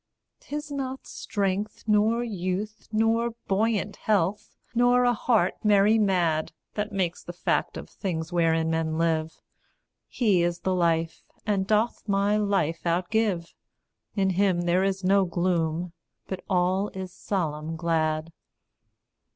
'Tis not strength, nor youth, Nor buoyant health, nor a heart merry mad, That makes the fact of things wherein men live: He is the life, and doth my life outgive; In him there is no gloom, but all is solemn glad, 7.